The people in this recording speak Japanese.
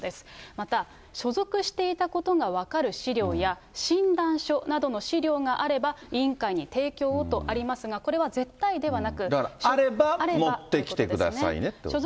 また、所属していたことが分かる資料や、診断書などの資料があれば委員会に提供をとありますが、これは絶だからあれば持ってきてくださいねということですね。